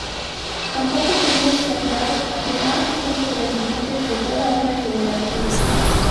Tampoco sería exagerado afirmar que son sobrevivientes de toda una generación.